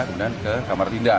kemudian ke kamar linda